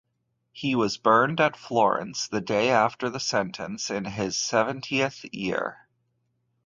He was burned at Florence the day after the sentence, in his seventieth year.